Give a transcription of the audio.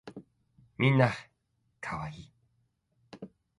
みんな可愛い